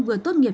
vừa tốt nghiệp